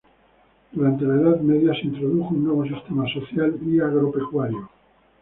Durante la Edad Media se introdujo un nuevo sistema social y agropecuario.